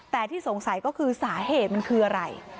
แต่ที่สงสัยก็คือสาเหตุมันคืออะไร